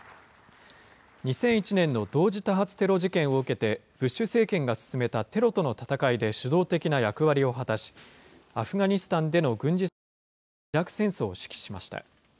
２００１年の同時多発テロ事件を受けて、ブッシュ政権が進めたテロとの戦いで主導的な役割を果たし、アフガニスタンでの軍事作戦や、イラク戦争を指揮しました。